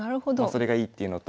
それがいいっていうのと。